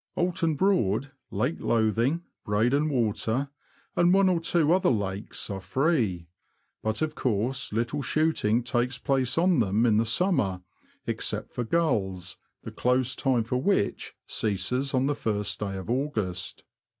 Oulton Broad, Lake Lothing, Breydon Water, and one or two other lakes, are free ; but of course little shooting takes place on them in the summer, except for gulls, the close time for which ceases on the first day of August.